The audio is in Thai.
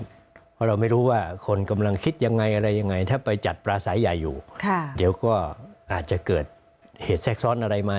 เพราะเราไม่รู้ว่าคนกำลังคิดยังไงอะไรยังไงถ้าไปจัดปลาสายใหญ่อยู่เดี๋ยวก็อาจจะเกิดเหตุแทรกซ้อนอะไรมา